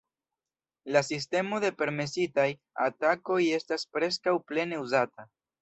La sistemo de "permesitaj" atakoj estas preskaŭ plene uzata.